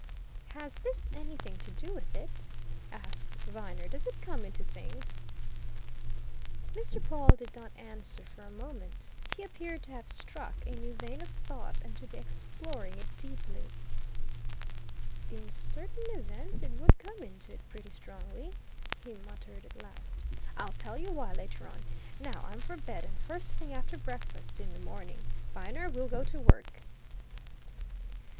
"Has this anything to do with it?" asked Viner. "Does it come into things?" Mr. Pawle did not answer for a moment; he appeared to have struck a new vein of thought and to be exploring it deeply. "In certain events, it would come into it pretty strongly!" he muttered at last. "I'll tell you why, later on. Now I'm for bed and first thing after breakfast, in the morning, Viner, we'll go to work."